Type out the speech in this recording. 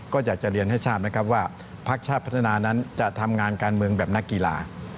ก็อยากจะเรียนให้ทราบนะครับว่าพักชาติพัฒนานั้นจะทำงานการเมืองแบบนักกีฬา